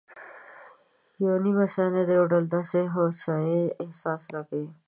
یوه نیمه ثانیه د یو ډول داسې هوسایي احساس راکوي.